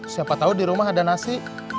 siapa tahu di rumah ada nasi